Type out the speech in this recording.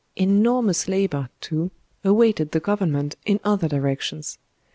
Enormous labour, too, awaited the Government in other directions.